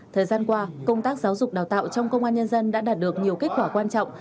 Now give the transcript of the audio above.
thời gian qua công tác giáo dục đào tạo trong công an nhân dân đã đạt được nhiều kết quả quan trọng